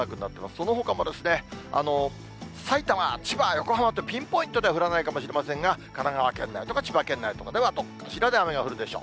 そのほかもさいたま、千葉、横浜とピンポイントで降らないかもしれませんが、神奈川県内とか千葉県内とかでは、どっかしらで雨が降るでしょう。